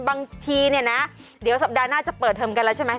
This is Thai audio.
บางทีเนี่ยนะเดี๋ยวสัปดาห์หน้าจะเปิดเทอมกันแล้วใช่ไหม